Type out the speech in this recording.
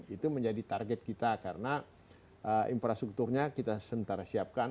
itu menjadi target kita karena infrastrukturnya kita sementara siapkan